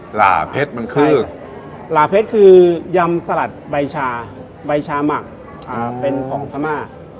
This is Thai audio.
หลาเพชรมันคือหลาเพชรคือยำสลัดใบชาใบชาหมักเป็นของพม่า